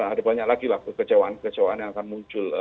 ada banyak lagi lah kekecewaan kekecewaan yang akan muncul